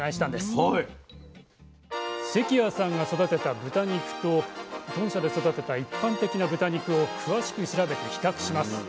関谷さんが育てた豚肉と豚舎で育てた一般的な豚肉を詳しく調べて比較します。